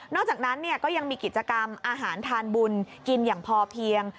อกจากนั้นก็ยังมีกิจกรรมอาหารทานบุญกินอย่างพอเพียง